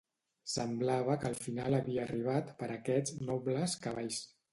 Semblava que el final havia arribat per a aquests nobles cavalls.